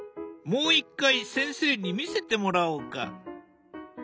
もう一回先生に見せてもらおうか。